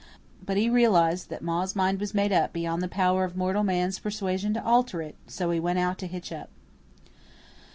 But he realized that Ma's mind was made up beyond the power of mortal man's persuasion to alter it, so he went out to hitch up.